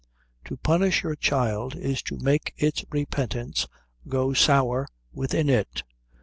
To punish your child is to make its repentance go sour within it.